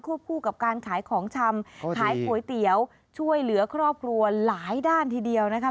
คู่กับการขายของชำขายก๋วยเตี๋ยวช่วยเหลือครอบครัวหลายด้านทีเดียวนะคะ